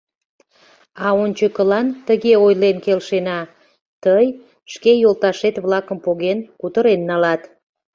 А ончыкылан тыге ойлен келшена: тый, шке йолташет-влакым поген, кутырен налат.